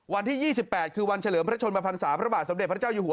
วันที่๒๘คือวันเฉลิมพระชนมพันศาพระบาทสมเด็จพระเจ้าอยู่หัว